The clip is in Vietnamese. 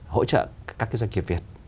hỗ trợ các doanh nghiệp việt